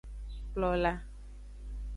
Kplola.